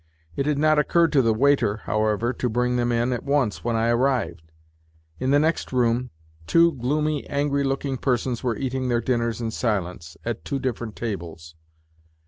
It had not occurred to the waiter, however, to bring them in at once when I arrived. In the next room two gloomy, angry looking persons were eating their dinners in silence at two different tables.